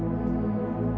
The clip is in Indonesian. nunik nunik nunik